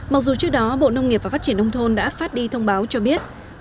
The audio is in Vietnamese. mặc dù trước đó bộ nông nghiệp và phát triển nông thôn đã phát đi thông báo cho biết